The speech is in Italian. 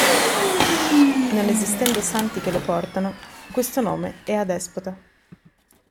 Non esistendo santi che lo portano, questo nome è adespota.